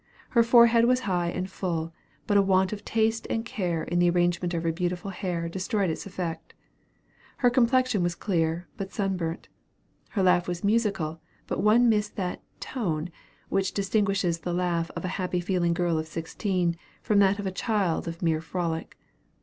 Her forehead was high and full, but a want of taste and care in the arrangement of her beautiful hair destroyed its effect. Her complexion was clear, but sunburnt. Her laugh was musical, but one missed that tone which distinguishes the laugh of a happy feeling girl of sixteen from that of a child of mere frolic.